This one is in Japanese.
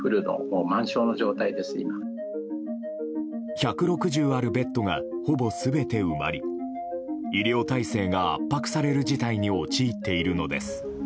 １６０あるベッドがほぼ全て埋まり医療体制が圧迫される事態に陥っているのです。